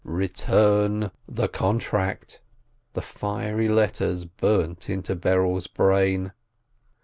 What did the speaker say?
"Return the contract!" the fiery letters burnt into Berel's brain.